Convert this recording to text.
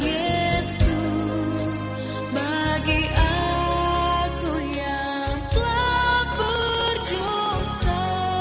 yesus bagi aku yang telah berdosa